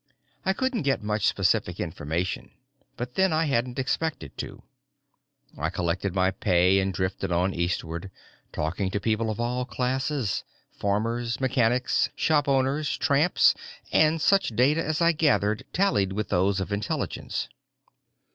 _ I couldn't get much specific information, but then I hadn't expected to. I collected my pay and drifted on eastward, talking to people of all classes farmers, mechanics, shopowners, tramps, and such data as I gathered tallied with those of Intelligence.